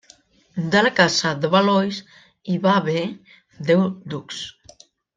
De la casa de Valois hi va haver deu ducs.